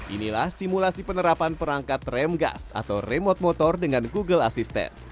inilah simulasi penerapan perangkat rem gas atau remote motor dengan google assistant